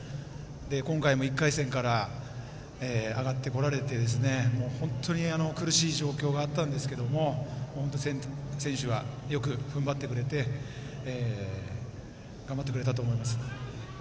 今回も１回戦から上がってこられて本当に苦しい状況があったんですけれども本当、選手がよくふんばってくれて頑張ってくれたと思います。